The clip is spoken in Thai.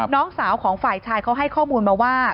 น้องสาวของฝ่ายชายเขาให้ข้อมูลมาว่า